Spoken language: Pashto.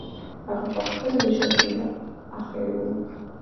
هغه پخپله د شاه شجاع اخښی وو.